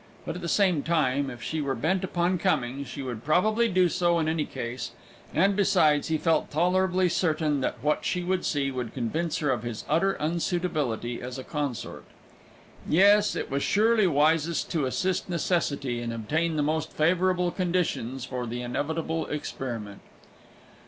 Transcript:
But at the same time, if she were bent upon coming, she would probably do so in any case; and besides, he felt tolerably certain that what she would see would convince her of his utter unsuitability as a consort. Yes, it was surely wisest to assist necessity, and obtain the most favourable conditions for the inevitable experiment.